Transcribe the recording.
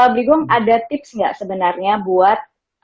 brigung ada tips nggak sebenarnya buat